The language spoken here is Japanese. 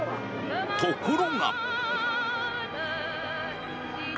ところが。